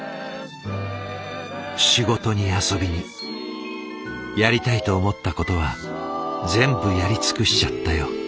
仕事に遊びに「やりたいと思ったことは全部やり尽くしちゃったよ」。